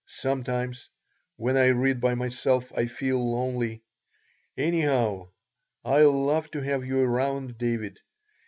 Sometimes, when I read by myself, I feel lonely. Anyhow, I love to have you around, David.